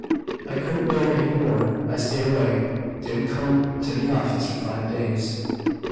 I couldn't bear any more. I stayed away didn't come to the office for five days."